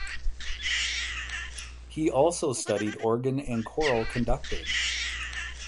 He also studied organ and choral conducting.